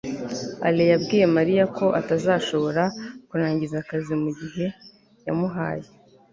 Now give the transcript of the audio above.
alain yabwiye mariya ko atazashobora kurangiza akazi mu gihe yamuhaye